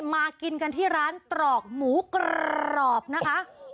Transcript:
มากินกันที่ร้านตรอกหมูกรอบนะคะ